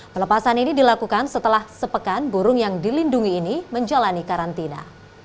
pelepasan ini dilakukan setelah sepekan burung yang dilindungi ini menjalani karantina